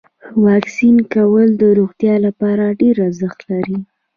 واکسین کول د روغتیا لپاره ډیر ارزښت لري.